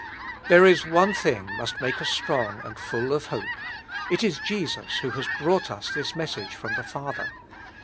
There is one thing must make us strong and full of hope : it is Jesus who has brought us this message from the Father.